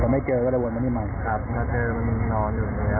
แต่ไม่เจอก็เลยวนมานี่มาครับถ้าเจอมันมีนอนอยู่อยู่นะ